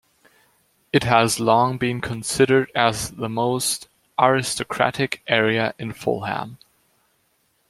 It has long been considered as the most 'aristocratic' area in Fulham.